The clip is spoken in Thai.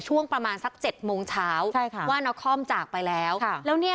ช่วงประมาณเจ็ดโมงเช้าว่านครมจากไปแล้ว